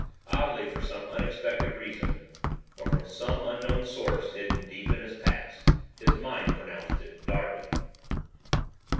Oddly, for some unexpected reason or from some unknown source hidden deep in his past, his mind pronounced it "Darby."